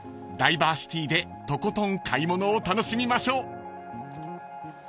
［ダイバーシティでとことん買い物を楽しみましょう］